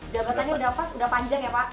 jabatannya udah pas udah panjang ya pak